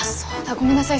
ごめんなさい